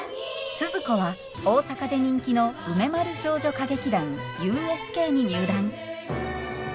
スズ子は大阪で人気の梅丸少女歌劇団ＵＳＫに入団。